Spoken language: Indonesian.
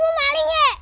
lu mau maling ye